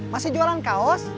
masih jualan kaos